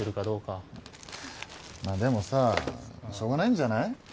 まあでもさしょうがないんじゃない？